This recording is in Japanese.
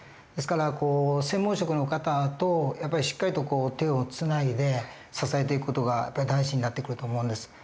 ですから専門職の方とやっぱりしっかりと手をつないで支えていく事が大事になってくると思うんです。